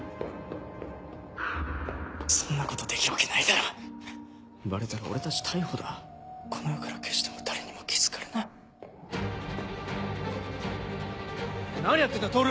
そんなことできるバレたら俺たち逮捕だこの世から消しても誰にも気付かれない何やってんだ透！